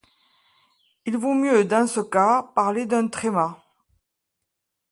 Il vaut mieux, dans ce cas, parler d’un tréma.